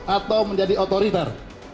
atau menjadi otoriter